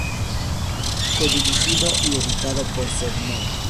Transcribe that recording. Co-Dirigido y editado por: Seb Monk.